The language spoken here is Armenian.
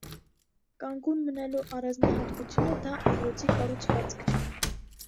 Կանգուն մնալու առանձնահատկությունը դա ամրոցի կառուցվածքն է։